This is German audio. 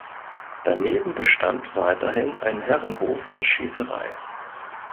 Daneben bestand weiterhin ein Herrenhof mit Schäferei.